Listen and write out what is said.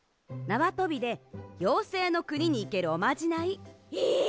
なわとびでようせいのくににいけるおまじない。